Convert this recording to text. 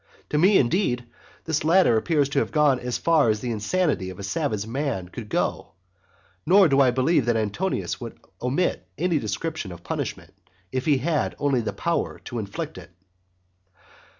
To me, indeed, this latter appears to have gone as far as the insanity of a savage man could go; nor do I believe that Antonius either would omit any description of punishment, if he had only the power to inflict it.